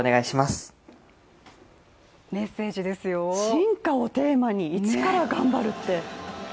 進化をテーマに一から頑張るって。